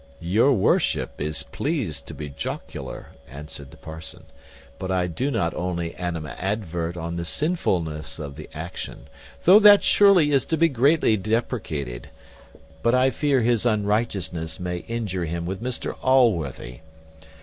"Your worship is pleased to be jocular," answered the parson; "but I do not only animadvert on the sinfulness of the action though that surely is to be greatly deprecated but I fear his unrighteousness may injure him with Mr Allworthy.